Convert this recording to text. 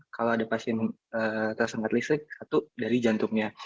kalau ada pasien tersengat listrik satu dari jantungnya